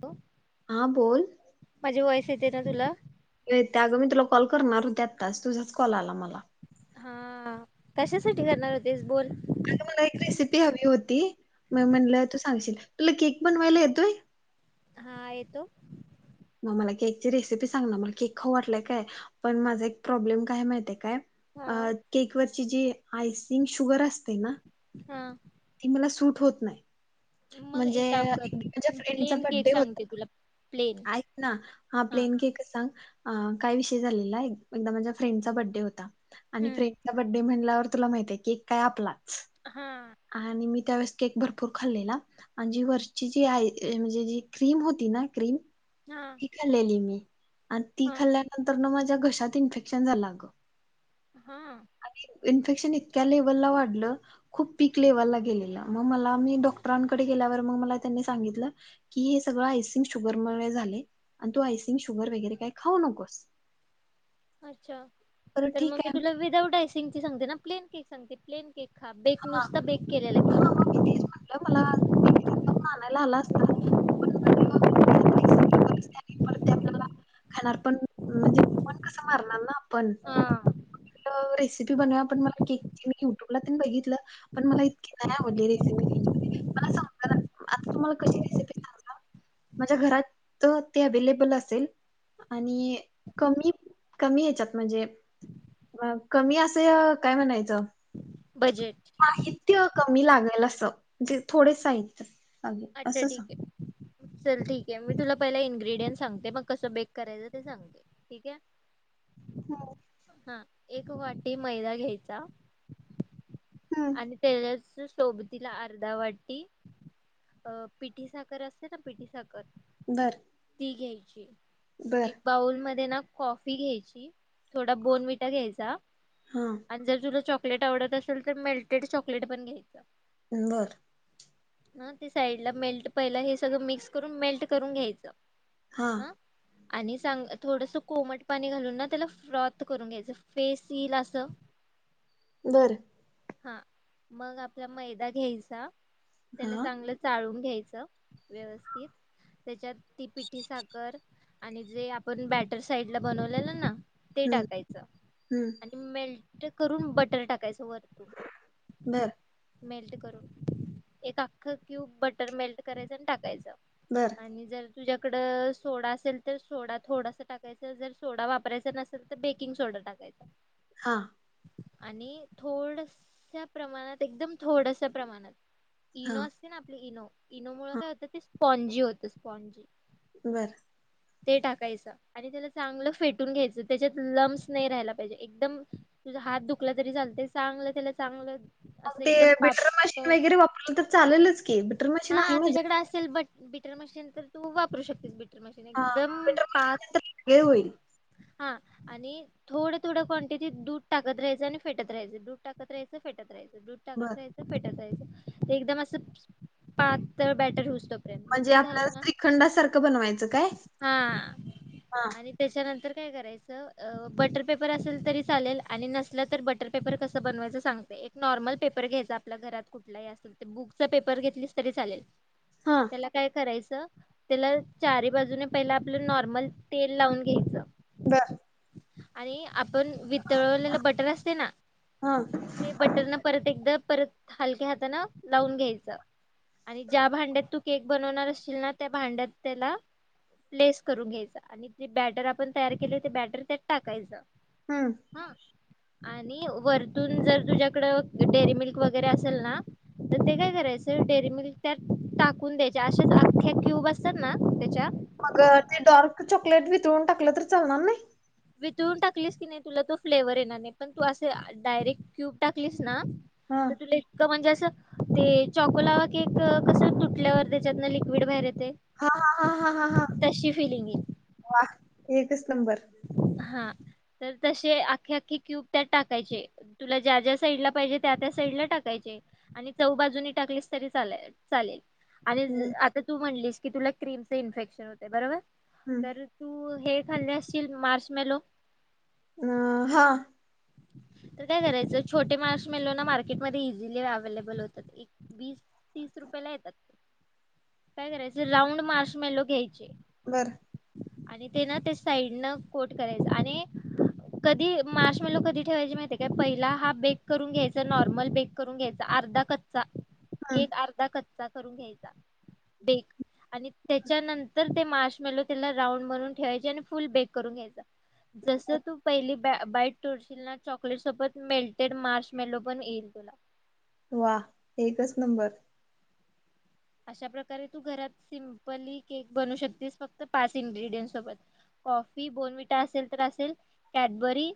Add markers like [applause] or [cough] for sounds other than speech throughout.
त. हा बोल. वाईस येते ना तुला. ये, ता ग अगं मी तुला कॉल करणार होत आत्ताच तुझाच कॉल आला मला. हा कशासाठी करणार होतेस बोल. अगं मला एक रेसिपी हवी होती. म म्हणलं तू सांगशील तुला केक बनवायला येतोय. हा येतो. मग मला केकची रेसिपी सांगना. मला केक खाऊ वाटलाय काय, पण माझा एक प्रॉब्लेम काय माहितीय काय? हा अ केक वर आईशिंग शुर असते ना. हा. ती मला सूट होत नाही. मग म्हणजे एक काम कर म्हणजे फ्रेंडचा प्लेन केक बड्डे होता, सांगते तुला प्लेन ऐक ना हा प्लेन केक सांग. अ काय विषय झालेला एक, एकदा माझ्या फ्रेंडचा बड्डे होता. आणि हम्म फ्रेंड्चा बड्डे म्हण [inaudible] माहिती आहे कि आपलाच. हा आणि मी त्यावेळेस. केक भरपूर खाल्लेला, आणि जी वरची जी आ म्हणजे जी क्रीम होती ना क्रीम. हा कलेली मी. आणि ती हा खाल्ल्यानंतर न म घशात इन्फेक्शन झालं अगं हा आणि इन्फेक्शन इतक्या लेव्हलला वाढलं खूप पीक लेव्हलला गेलेलं मग मला मी डॉक्टरांकडे गेल्यावर मग मला त्यांनी सांगितलं की हे सगळं आयसिंग शुगर म झाले आणि तू आयसिंग शुगर वगैरे काय खाऊ नकोस. अच्छा तर ठीक मग मी आहे तुला विदाउट सांगते ना प्लेन केक सांगते प्लेन केक हा बेक नुसता बेक केलेला हां मग मी तेच ग म्हटलं मला बेकरीत जाऊन आणयाला आला असता पण [unintelligible] खाणार पण म्हणजे [unintelligible] कस मारणार ना आपण हा रेसिपी बनवूया पण मला केक मी युट्यूबला बघितलं पण मला इतकी नाही आवडली रेसिपी मला समजनाच आता तु मला कशी रेसिपी सांग माझ्या घरात ते अवेलेबल असेल आणि कमी कमी हेच्यात म्हणजे अ कमी असे काय म्हणायचं बजेट माहिती कमी लागेल अस म्हणजे थोडे साहित्य लागेल अच्छा असं ठीक सांग आहे चल ठीक आहे मी तुला पहिला इन्ग्र्रीडियंट सांगते मग कसं बेक करायचं ते सांगते ठीक आहे हो हा एक वाटी मैदा घ्यायचा हम्म आणि तेलाच सोबतीला अर्धा वाटी अ पिठी साखर असते ना पिठी साखर बरं ती घ्यायची एक बाऊल मध्ये ना कॉफी घ्यायची थोडा बोनविटा घ्यायचा हा आणि जर तुला चॉक चॉकलेट आवडत असेल तर मेल्टेड चॉकलेट पण घ्यायच बर ना ते साईड ला मेल्ट पहिलं हे सगळं मिक्स करून मेल्ट करून घ्यायचं हा ह आणि सांग थोडस कोमट पाणी घालून ना त्याला फ्रॉथ करून घ्यायचं फेस येल अस बर हा मग आपला मैदा घ्यायचा त्याला हा चांगलं चाळून घ्यायच व्यवस्थित त्याच्यात ती पिठी साखर आणि जे आपण बॅटर साईड ला बनवलेलं ना ते हम्म टाकायचं हम्म आणि मे ते करून बटर टाकायच वर बर मेल्ट करून एक अ क्यूब बटर मेल्ट करायचं आणि टाकायचं बर आणि जर तुझ्याकड सोडा असेल तर सोडा थोडासा टाकायचं जर सोडा वापरायचा नसेल तर बेकिंग सोडा टाकायचा हा आणि थोड प्रमाणात एकदम थोडस प्रमाणात हा ईनो ईनो इनोमुळ हा काय होतं ते स्पॉनजी होत स्पॉनजी बरं ते टाकायचं आणि त्याला चांगलं फेटून घ्यायचं त्याच्यात लम्स नाही राहायला पाहिजे एकदम तु हात दुखला तरी चालत चांगलं त्याला चांगलं मग असं ते एकदम बॅटर मशीन पातळ वगैरे वापरलं तर चालेलच बॅटर मशीन आहे मजा बॅटर मशीन तर तू वापरू शकतेस ब मशीन हा एकदम बिटर मशीन पाच नंतर वेगळे होईल हा आणि थोडं थोडं क्वांटिटीत दूध टाकत राहायंच आणि फेटत राहायच दूध टाकत राहायचं फेटत राहायचं दूध बर टाकत राहायचं फेटत राहायचं एकदम असं पातळ बॅटर होऊ तोपर्यंत मग म्हणजे ते आपल्या झालं ना श्रीखंडासारखं बनवायचं काय हा हा आणि त्याच्यानंतर काय करायचं बटर पेपर असेल तरी चालेल आणि नसलं तर बटर पेपर कसं बनवायचं सांगते एक नॉर्मल पेपर घ्यायचा आपल्या घरात कुठलाही असेल ते बुक्स पेपर घेतलीस तरी चालेल हा त्याला काय करायचं त्याला चारी बाजूने पहिला आपलं नॉर्मल तेल लावून घ्यायचं बरं. आणि, आपण वितळवलेलं बटर असते ना हा ते बटर न परत एकदा परत हलक्या हाताने लावून घ्यायचा आणि ज्या भांड्यात तू केक बनवणार असशील ना त्या भांड्यात त्याला प्लेस करून घ्यायचा आणि जे बॅटर आपण तयार केली ते बॅटर त्यात टाकायच हम्म आणि वरतून जर तुझ्याकडं डेअरी मिल्क वगैरे असेल ना तर ते काय करायचं डेअरी मिल्क त्यात टाकून द्यायच्या अशेच अख्ख्या क्यूब असतात ना त्याच्या मगं ते डार्क चॉकलेट वितळून टाकलं तर चालणार नाही? वितळून टाकलीस की नाही तुला तो फ्लेवर येणार नाही पण तू असे डायरेक्ट क्यूब टाकलीस ना हा तर तुला इतक ते चकोलावा केक कस तुटल्यावर त्याच्यातन लिक्विड बाहेर य हा हा हा हा हा हा फिलिंग येईल. वा एकच.. नंबर हा तर तसे आख्खी आख्खी क्यूब त्यात टाकायचे तुला ज्या ज्या साईडला पाहिजे त्या त्या साईडला टाकायचे आणि चव बाजूनी टाकलेस तरी चा चालेल आणि न- आता तू म्हणलीस की तुला क्रीमच इन्फेक्शन होते बरोबर? हं. तर तू हे, [unintelligible] मर्श मेलो अ हा. तर काय करायचं छोटे मार्श मेलो ना मार्केट मध्ये इझिली अवलेबल होतात एक वीस तीस रुपय ला येतात काय करायचं राऊंड मार्श मेलो घ्यायचे बरं. आणि ते ना ते साईड न कोट करायच आणि कधी मार्श मेलो कधी ठेवायची माहिती का पहिला हा बेक करून घ्यायचा नॉर्मल बेक करून घ्यायचा अर्धा कच्चा हं. केक अर्धा कच्चा करून घ्यायचा बेक आणि त्याच्यानंतर ते मार्श मेलो त्याला रांऊड म्हणून ठेवायचे आणि फुल बेक करून घ्यायचा जस तू पहिली बे बाईट तोडशिल ना चॉकलेट सोबत मेल्टेड मार्श मेलो पण येईल तुला वा एकच नंबर अशा प्रकारे तू घरात सिंपली केक बनू शकतेस फक्त पाच इंग्रिदेंट्स सोबत कॉफी बोनविटा असेल तर असेल कॅडबरी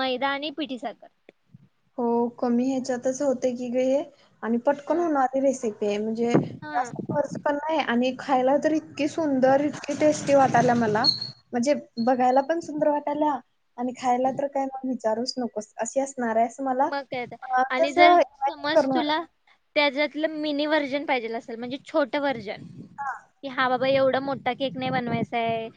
मैदा आणि पिठी साखर हो कमी ह्याच्यातच होते की ग हे. आणि पटकन हा होणारी रेसिपी आहे म्हणजे हा जास्त खर्च पण नाही आणि खायला तरी इत तकी सुंदर इतके टस्ट ते वाटायलाय मला म्हणजे बघायला पण सुंदर वाटाल्या आणि खायला तर काय मग विचारूच नकोस अशी असणार आहे असं मला मग काय तर आणि तस जर इमॅजिन समज करून वाट तुला त्याच्यातल मिनी व्हर्जन अर्जंट पाहिजेल असेल म्हणजे छोटं वर्जन की हवा एवढा मोठा केक नाही बनवायचाय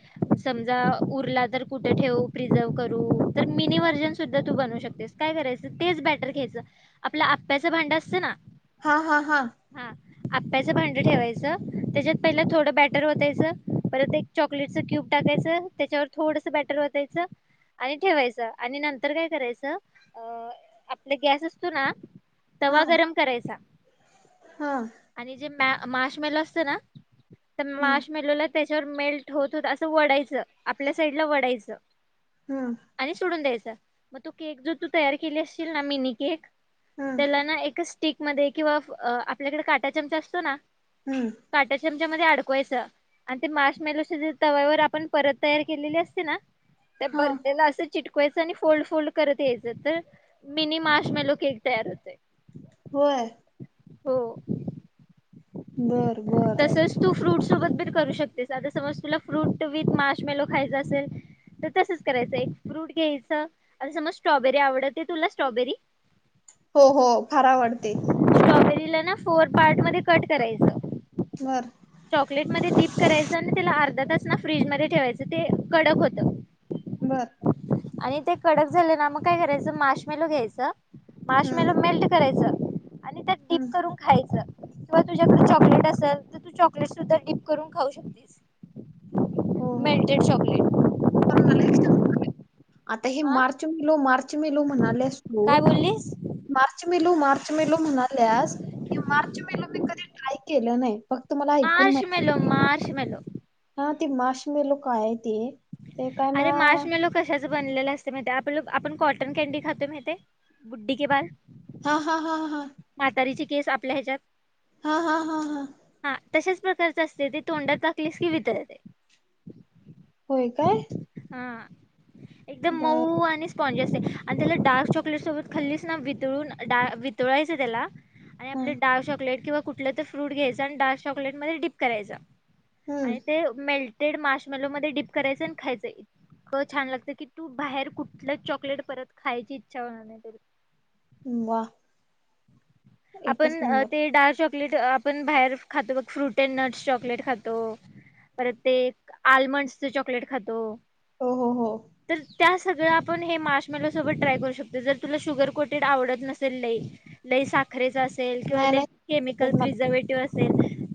समजा उरला तर कुठे ठेवू प्रीझर्व करू तर मिनी व्हर्जन सुद्धा तू बनवू शकतेस काय करायचं तेच बॅटर घ्यायचं आपलं आप्याचं भांड असतं ना हा हा हा आप्याचं भांडं ठेवायचं त्याच्यात पहिला थोडं बॅटर ओतायचं परत एक चॉकलेटच क्यूब टाकायचं त्याच्यावर थोडस बॅटर ओतायच आणि ठेवायचं आणि नंतर काय करायचं अ आपला गॅस असतो ना तवा हा गरम करायचा हा मा मार्शमेलो असतो ना तर हम्म मार्शमेलोला त्याच्यावर मेल्ट होत होत असं व्हडायच आपल्या साईड ला वडायचं हम्म आणि सोडून द्यायचं मग तो केक जो तू तयार केली असशील ना मिनी केक हम्म त्याला ना एक स्टिक मध्ये किंवा आपल्याकडे काटा चमचा असतो ना हम्म काट्या चम च्या मध्ये अडकवायच आणि ते मार्शमेलो तवर आपण परत तयार केलेली असते ना त्या हा बरद्याला असं चिटकवायचं आणि फोल्ड फोल्ड करत यायचं तर मिनी मार्शमेलो केक तयार होतय होय हो बर बर सोबती करू शकते आ समज तुला फ्रूट विथ मार्शमेलो खायच असेल तर तसच करायचं एक फ्रूट घ्यायचं समज स्ट्रॉबेरी आवडतं तुला स्ट्रॉबेरी. हो हो फार आवडते. स्ट्रॉबेरीला ना फोर पार्ट मध्ये कट करायचं. बर चॉकलेट मध्ये डीप करायचं आणि त्याला अर्ध त्यातच ना फ्रीजमध्ये ठेवायचं. ते कडक होतं. बरं! आणि ते कडक झाले, ना मग काय करायचं? माशमेलो घ्यायचं. मास हम्म मेल मेल्ट करायचं. आणि त्यात डिप हम्म करून खायचं. किंवा तुझ्याकडे चॉकलेट असल तर तू चॉकलेट सुद्धा डिप करून खाऊ शकतेस. हो हो मिल्टेड चॉकलेट. पण मला एक सांग आता हे हा मार्च [unintelligible] [unintelligible] म्हणाल्यास तु काय बोललीस मार्च, मे [unintelligible] [unintelligible] मी कधी ट्राय केलं नाही. फक्त मला ऐकून माहिती आहे हा [unintelligible] ते माशमेलो कायं? ते काय? म बनलेल असतयं माहितेय आपण कॉटन कॅनडी खातो, माहितेय बूड्डी के बाल हा हा हा हा म्हातारीची केस आपल्या ह्याच्यात हा हा हा हा हा तशाच प्रकारचं असत, ते तोंडात टाकलीस कि वितळते. होय, काय? हा एकदम बर मऊ आणि स्पोनजी असतयं आणि त्याला डारक चॉकलेट सोबत खल्लीच ना वितळून वितळाय [unintelligible] आणि हा आपले डार्क चॉकलेट किंवा कुठलं तर फ्रूट घ्यायचां आणि डार्क चॉकलेट मध्ये डीप करायचा. आणि हम्म ते मेल्ट तेड माशम्मेलो मध्ये डीप करायचं, आणि खायचं इतकं छान लागत की तू बाहेर कुठलं चॉकलेट परत खायची इच्छा होणार नाही. वा! एकच आपण नंबर ते डाळ चॉकलेट आपण बाहेर खातो बघ फ्रूट अड नट्स चॉकलेट खातो, परत ते आल्मंडसच चॉकलेट खातो. हो हो हो तर त्या सगळं आपण हे मा्मेलासोबत ट्राय करू शकतो जर तुला शुगर कोटेड आवडत नसेल लई लई सा खरेचा नाही किंवाईक नाही केमिकल मला प्रिझर्वेटिव्ह अस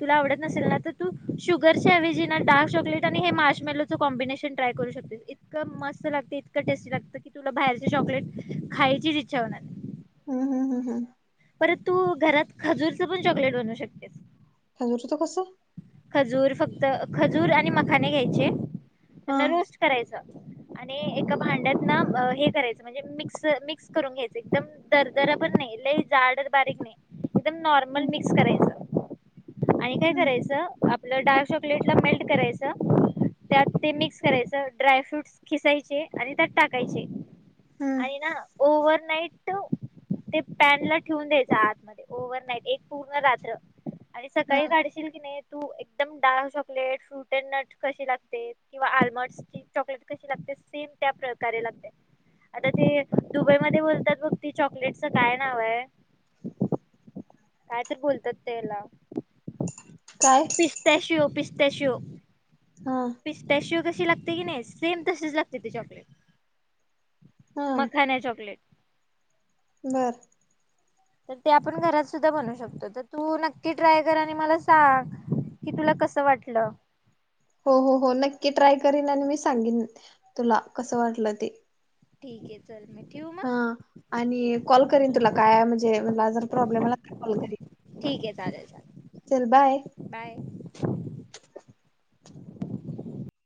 तुला आवडत नसेल ना तर तू शुगरच्या ऐवजी ना डार्क चॉकलेट आणि हे मा्मेलोचं कॉम्बिनेशन ट्राय करू शकते, इतकं मस्त लागते, इतक टेस्टी लागत की तुला बाहेरचे चॉकलेट खायचीच इच्छा होणार हम् हम हम् हम्. परंत तू घरात खजूरचं पण चॉकलेट बनवू शकतेस. काजोततो कसं? खजूर फक्त खजूर आणि मखाने घ्यायचे हा त्यांना रोस्ट करायचं. आणि एका भांड्यात ना हे करायचं म्हणजे मिक्स मिक्स करून घ्यायचं एकदम दर दराबर नाही ल झाड तर बारीक नाही. एकदम नॉर्मल हम्म मिक्स करायचं. आणि काय हम्म करायचं. आप डार्क चॉकलेट ला मेल्ट करायचं त्यात ते मिक्स करायचं ड्राय फ्रूटस खिसायचे आणि त्यात टाकायचे. हम्म आणि ना ओवर्ह नाईट ते पॅनलट ठेवून द्यायचा आतमध्ये ओव्हरनाईट एक पूर्ण रात्र आणि हा सकाळी काढशील की नाही तू एकदम dark chocolate fruit and nut कशी लागते? किंवा आल्मंडची चॉकलेट कशी लागते? सेम त्या प्रकारे लागते आता ते दुबईमध्येध्ये बोलतात बघ ती चॉकलेटचं काय नाव आहे? काय तर बोलतात त्याला काय पिस्ताशिव पी [unintelligible] हा पिस्तशेव कस शी लागते की नाही सेम तशीच लागते ते चॉकलेट. हा मखाना चॉकलेट बर तर ते आपण घरात सुद्धा बनवू शकतो. तर तू नक्की ट्राय कर आणि मला सांग कि तुला कस वाटलं? हो हो हो नक्की ट्राय करीन. आणि मी सांगेन तुला कस वाटलं ते. ठीके. हा आणि कॉल करीन तुला काय म्हणजे तुला जर प्रॉब्लेम आला तर कॉल करीन. ठीक आहे चालेल. चालेल. चल बाय बाय.